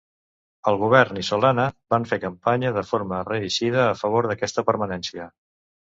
El govern i Solana van fer campanya de forma reeixida a favor d'aquesta permanència.